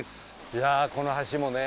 いやあこの橋もね。